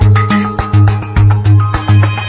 วิ่งเร็วมากครับ